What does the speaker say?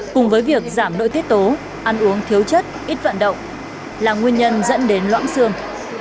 cùng với việc giảm đội tiết tố ăn uống thiếu chất ít vận động là nguyên nhân dẫn đến loãng xương